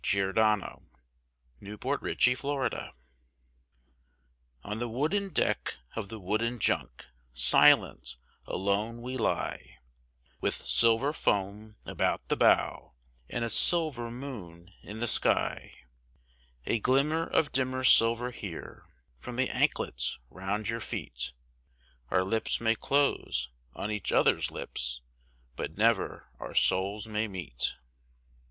Hira Singh's Farewell to Burmah On the wooden deck of the wooden Junk, silent, alone, we lie, With silver foam about the bow, and a silver moon in the sky: A glimmer of dimmer silver here, from the anklets round your feet, Our lips may close on each other's lips, but never our souls may meet.